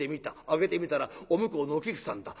開けてみたらお向こうのお菊さんだ。